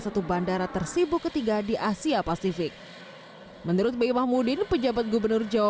satu bandara tersibuk ketiga di asia pasifik menurut b mahmudin pejabat gubernur jawa